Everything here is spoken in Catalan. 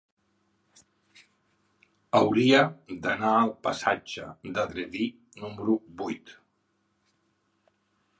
Hauria d'anar al passatge d'Andreví número vuit.